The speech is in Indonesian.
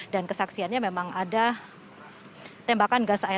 dan kesaksiannya memang ada